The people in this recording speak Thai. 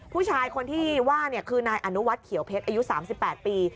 ผู้ชายคนที่ว่าคือนายอนุวัฒน์เขียวเพชรอายุ๓๘ปี